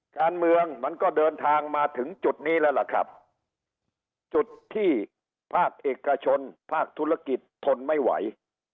การเมืองมันก็เดินทางมาถึงจุดนี้แล้วล่ะครับจุดที่ภาคเอกชนภาคธุรกิจทนไม่ไหว